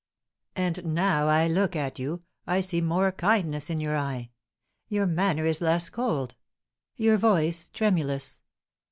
"And, now I look at you, I see more kindness in your eye, your manner is less cold, your voice tremulous.